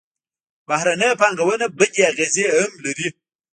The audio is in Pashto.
بهرنۍ پانګونه بدې اغېزې هم لري.